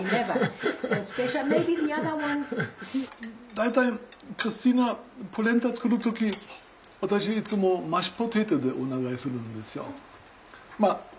大体クリスティーナポレンタ作る時私いつもマッシュポテトでお願いするんですよ。